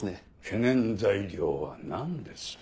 懸念材料は何です？